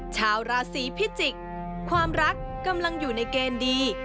ชาวราศีพิจิกษ์ความรักกำลังอยู่ในเกณฑ์ดี